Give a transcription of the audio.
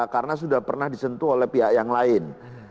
karena sudah pernah disentuh oleh pihak yang lain